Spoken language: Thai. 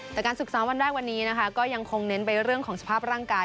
แต่การฝึกซ้อมวันแรกวันนี้นะคะก็ยังคงเน้นไปเรื่องของสภาพร่างกาย